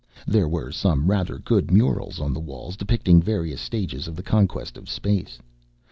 There were some rather good murals on the walls depicting various stages of the conquest of space.